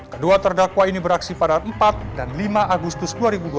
kedua terdakwa ini beraksi pada empat dan lima agustus dua ribu dua puluh